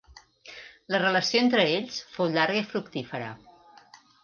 La relació entre ells fou llarga i fructífera.